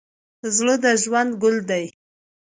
زړه د ژوند ګل دی.